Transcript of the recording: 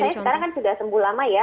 saya sekarang kan sudah sembuh lama ya